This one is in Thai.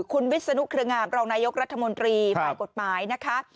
คุณวิศนุเครืองามรองนายกรัฐมนตรีฝ่ายกฎหมายนะคะ